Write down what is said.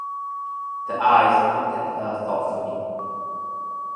The Eyes looked at her thoughtfully.